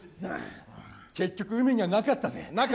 結局、海にはなかったぜ。